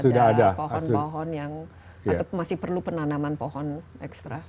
ada pohon pohon yang atau masih perlu penanaman pohon ekstra